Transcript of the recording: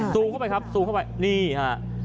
เข้าไปครับซูมเข้าไปนี่ฮะ